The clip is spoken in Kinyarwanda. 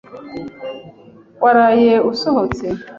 Waraye usohotse?